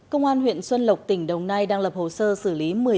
công an huyện xuân lộc tỉnh đồng nai đang lập hồ sơ xử lý